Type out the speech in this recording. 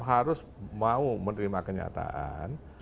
harus mau menerima kenyataan